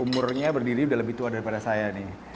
umurnya berdiri udah lebih tua daripada saya nih